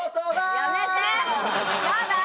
やめて！